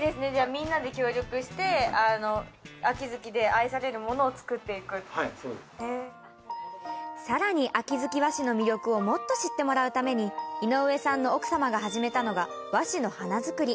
みんなで協力して秋月で愛されるものを作っていくさらに秋月和紙の魅力をもっと知ってもらうために井上さんの奥さま始めたのが和紙の花づくり